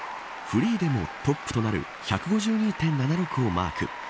フリーでもトップとなる１５２．７６をマーク。